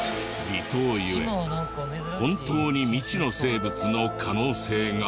離島ゆえ本当に未知の生物の可能性が。